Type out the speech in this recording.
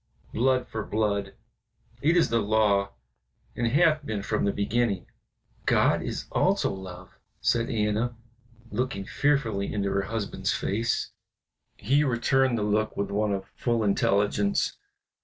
Blood for blood, it is the law, and hath been from the beginning." "God is also love," said Anna, looking fearfully into her husband's face. He returned the look with one of full intelligence.